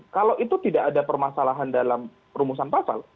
kalau itu tidak ada permasalahan dalam rumusan pasal